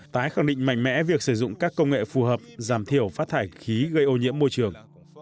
tái khẳng định mạnh mẽ việc sử dụng các công nghệ phù hợp giảm thiểu phát thải khí gây ô nhiễm môi trường